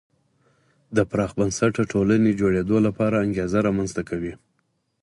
د پراخ بنسټه ټولنې جوړېدو لپاره انګېزه رامنځته کوي.